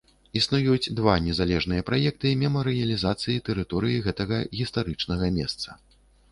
Існуюць два незалежныя праекты мемарыялізацыі тэрыторыі гэтага гістарычнага месца.